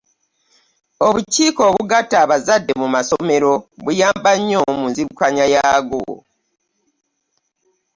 Obukiiko obugatta abazadde mu masonero buyamba nnyo mu nzirukanya yaago.